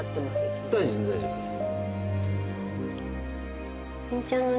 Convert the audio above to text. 大丈夫です大丈夫です。